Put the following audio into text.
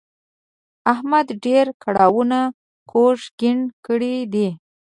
احمد ډېرو کړاوونو کوږ کیڼ کړی دی.